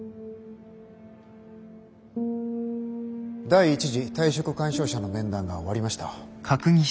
第一次退職勧奨者の面談が終わりました。